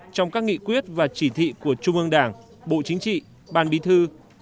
trong các nghị quyết và chỉ thị của trung ương đảng bộ chính trị ban bí thư